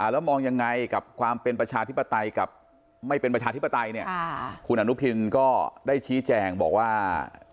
แล้วมองยังไงกับความเป็นประชาธิปไตยกับไม่เป็นประชาธิปไตยเนี่ยคุณอนุทินก็ได้ชี้แจงบอกว่า